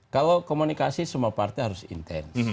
kalau komunikasi semua partai harus intens